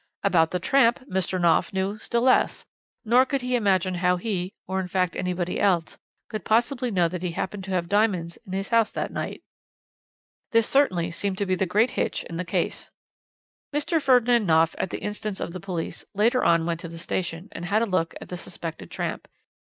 "About the tramp Mr. Knopf knew still less, nor could he imagine how he, or in fact anybody else, could possibly know that he happened to have diamonds in his house that night. "This certainly seemed the great hitch in the case. "Mr. Ferdinand Knopf, at the instance of the police, later on went to the station and had a look at the suspected tramp.